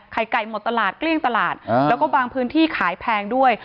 ไก่หมดตลาดเกลี้ยงตลาดแล้วก็บางพื้นที่ขายแพงด้วย